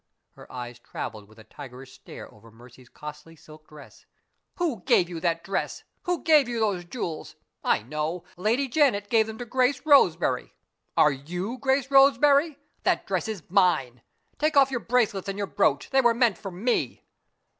Her eyes traveled with a tigerish stare over Mercy's costly silk dress. "Who gave you that dress? who gave you those jewels? I know! Lady Janet gave them to Grace Roseberry. Are you Grace Roseberry? That dress is mine. Take off your bracelets and your brooch. They were meant for me."